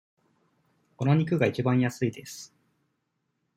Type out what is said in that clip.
この肉がいちばん安いです。